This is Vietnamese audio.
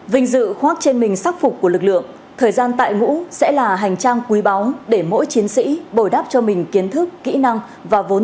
vinh dự khoác trên mình sắc phục của lực lượng thời gian tại ngũ sẽ là hành trang quý báu để mỗi chiến sĩ bồi đắp cho mình kiến thức kỹ năng và vốn